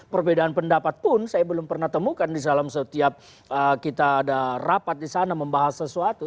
perbedaan pendapat pun saya belum pernah temukan di dalam setiap kita ada rapat di sana membahas sesuatu